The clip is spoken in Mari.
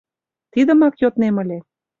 — Тидымак йоднем ыле.